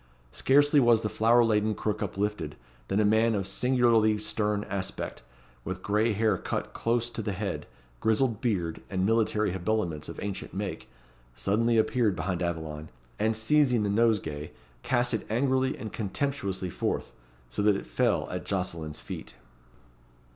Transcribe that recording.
Scarcely was the flower laden crook uplifted, than a man of singularly stern aspect, with gray hair cut close to the head, grizzled beard, and military habiliments of ancient make, suddenly appeared behind Aveline, and seizing the nosegay, cast it angrily and contemptuously forth; so that it fell at Jocelyn's feet.